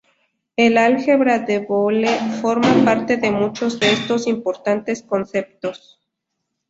El álgebra de Boole forma parte de muchos de estos importantes conceptos.